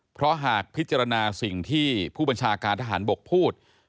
เพราะหากพิจารณาสิ่งที่ผู้บัญชาการทหารบกพูด